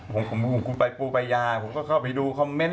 ผมไปดูปรายยาผมไปดูคอมเมนต์